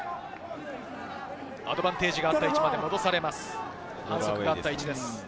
アドバンテージがあった位置まで戻されます。